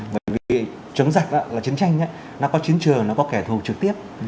bởi vì chống giặc là chiến tranh nó có chiến trường nó có kẻ thù trực tiếp